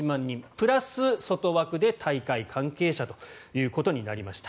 プラス、外枠で大会関係者ということになりました。